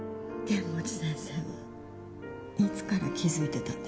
剣持先生はいつから気付いてたんですか？